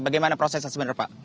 bagaimana prosesnya sebenarnya pak